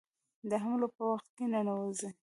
د حملو په وخت کې ننوزي.